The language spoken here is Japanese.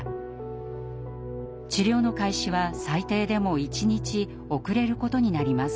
治療の開始は最低でも１日遅れることになります。